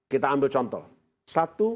kita ambil contoh satu